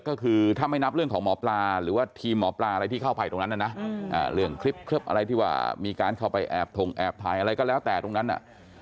ก็คือถ้าไม่นับเรื่องของหมอปลาหรือว่าทีมหมอปลาอะไรที่เข้าไปตรงนั้นนะเรื่องคลิปอะไรที่ว่ามีการเข้าไปแอบถงแอบถ่ายอะไรก็แล้วแต่ตรงนั้นน่ะ